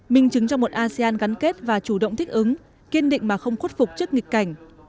minh chứng cho một asean gắn kết và chủ động thích ứng kiên định mà không khuất phục trước nghịch cảnh